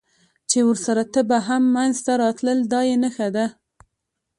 چې ورسره تبه هم منځته راتلل، دا یې نښه ده.